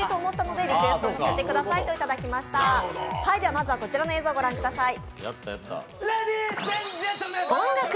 まずはこちらの映像をご覧ください。